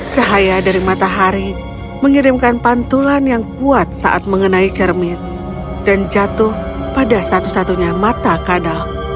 cahaya dari matahari mengirimkan pantulan yang kuat saat mengenai cermin dan jatuh pada satu satunya mata kadal